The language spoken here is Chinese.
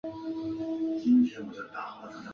固阳县境内的汉语方言主要属于晋语大包片。